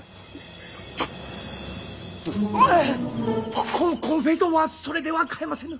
ココンコンフェイトはそれでは買えませぬ。